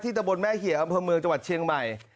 ตะบนแม่เหี่ยอำเภอเมืองจังหวัดเชียงใหม่